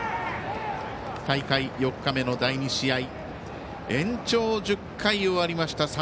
大会４日目の第２試合延長１０回終わりました。